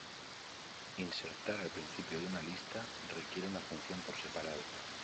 Insertar al principio de una lista requiere una función por separado.